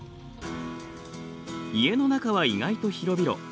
家の中は意外と広々。